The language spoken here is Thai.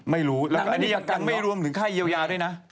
ไม่รู้แล้วก็อันนี้ยังไม่รวมถึงค่าเยียวยาด้วยนะ